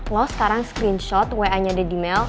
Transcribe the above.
lo sekarang screenshot wa nya daddy mel